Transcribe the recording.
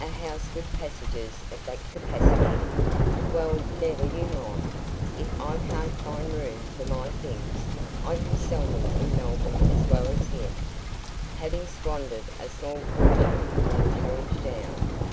"A house with passages of that capacity " "Well, never you mind. If I can't find room for my things, I can sell them in Melbourne as well as here." "Having squandered a small fortune on the carriage down.